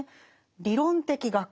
「理論的学」